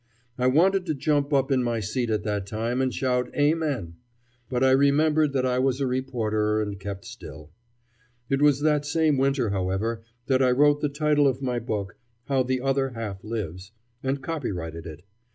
I wanted to jump up in my seat at that time and shout Amen! But I remembered that I was a reporter and kept still. It was that same winter, however, that I wrote the title of my book, "How the Other Half Lives," and copyrighted it.